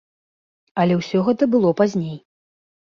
Але ўсё гэта было пазней.